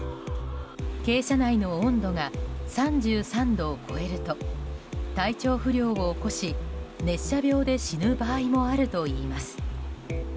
鶏舎内の温度が３３度を超えると体調不良を起こし、熱射病で死ぬ場合もあるといいます。